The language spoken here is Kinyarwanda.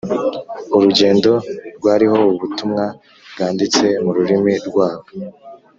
urugendo rwariho ubutumwa bwanditse mu rurimi rwaho